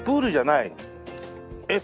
えっ？